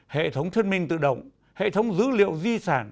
hệ thống thuyết minh tự động hệ thống dữ liệu di sản